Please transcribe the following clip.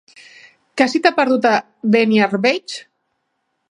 Què se t'hi ha perdut, a Beniarbeig?